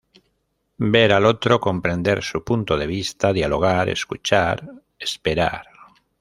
Ver al otro, comprender su punto de vista, dialogar, escuchar, esperar.